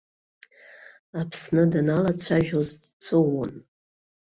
Аԥсны даналацәажәоз дҵәыуон.